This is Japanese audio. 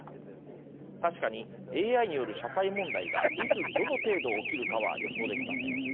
確かにＡＩによる社会問題がいつどの程度起きるかは予想できません。